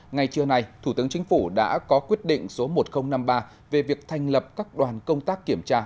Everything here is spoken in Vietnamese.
ngay trưa nay thủ tướng chính phủ đã có quyết định số một nghìn năm mươi ba về việc thành lập các đoàn công tác kiểm tra